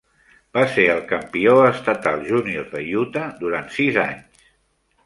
Va ser el campió estatal júnior de Utah durant sis anys.